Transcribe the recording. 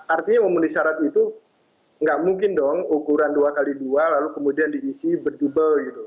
artinya memenuhi syarat itu nggak mungkin dong ukuran dua x dua lalu kemudian diisi berjubel gitu